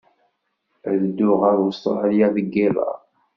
Ad dduɣ ɣer Ustṛalya deg yiḍ-a.